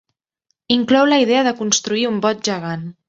Inclou la idea de construir un bot gegant.